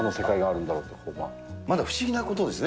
まだ不思議なことですね。